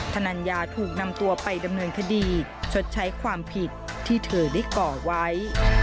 ธนัญญาถูกนำตัวไปดำเนินคดีชดใช้ความผิดที่เธอได้ก่อไว้